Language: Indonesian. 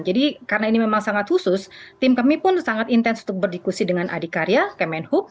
jadi karena ini memang sangat khusus tim kami pun sangat intens untuk berdiskusi dengan adhikarya kemenhub